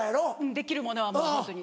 できるものはもうホントに。